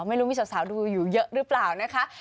ไม่รู้มีสาวดูอยู่เยอะหรือเปล่านะคะ